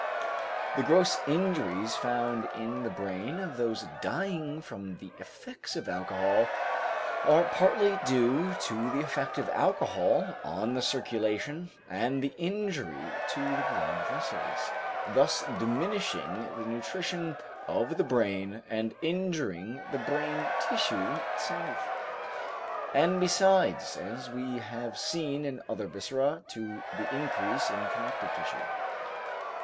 The gross injuries found in the brain of those dying from the effects of alcohol are partly due to the effect of alcohol on the circulation and the injury to the blood vessels, thus diminishing the nutrition of the brain and injuring the brain tissue itself, and besides, as we have seen in other viscera, to the increase in connective tissue.